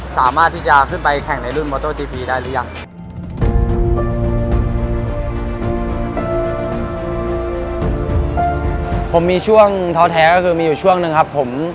ผมมีเวลาท้อแท้คือมีช่วงหนึ่งครับ